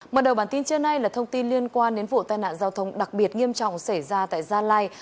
mở đầu bản tin trưa nay là thông tin liên quan đến vụ tai nạn giao thông đặc biệt nghiêm trọng xảy ra tại gia lai